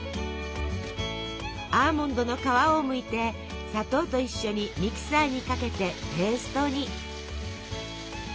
アーモンドの皮をむいて砂糖と一緒にミキサーにかけてペーストに。